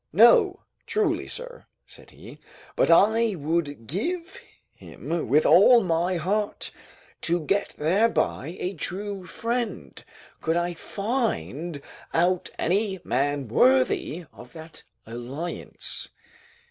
"No, truly, sir," said he, "but I would give him with all my heart, to get thereby a true friend, could I find out any man worthy of that alliance."